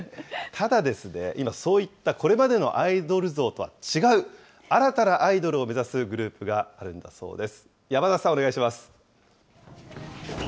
ただですね、今、そういったこれまでのアイドル像とは違う、新たなアイドルを目指すグループがあるんだそうです。